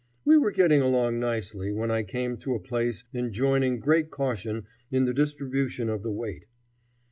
We were getting along nicely when I came to a place enjoining great caution in the distribution of the weight.